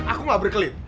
aku gak berkelit